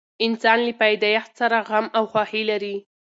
انسان له پیدایښت سره غم او خوښي لري.